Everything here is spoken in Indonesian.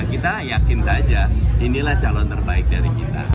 kita yakin saja inilah calon terbaik dari kita